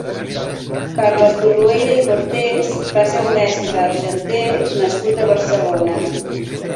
Carles Torruella i Cortés va ser un mestre argenter nascut a Barcelona.